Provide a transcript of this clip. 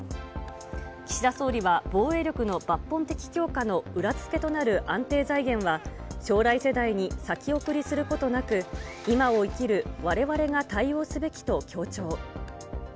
岸田総理は防衛力の抜本的強化の裏付けとなる安定財源は、将来世代に先送りすることなく、今を生きるわれわれが対応すべきと強調。